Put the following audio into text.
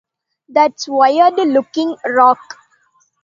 That's a weird looking rock